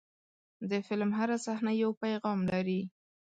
د فلم هره صحنه یو پیغام لري.